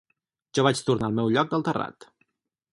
Jo vaig tornar al meu lloc del terrat